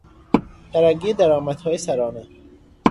ترقی درآمدهای سرانه